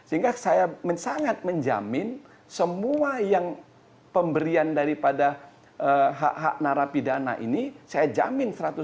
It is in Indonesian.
hanya saya yang sangat menjamin semua yang pemberian daripada hak hak narapi dana ini